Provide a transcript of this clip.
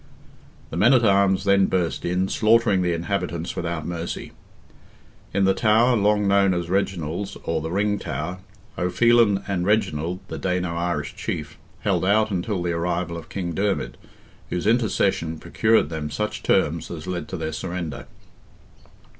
The men at arms then burst in, slaughtering the inhabitants without mercy. In the tower, long known as Reginald's, or the ring tower, O'Phelan and Reginald, the Dano Irish chief, held out until the arrival of King Dermid, whose intercession procured them such terms as led to their surrender.